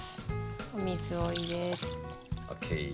お水を入れて。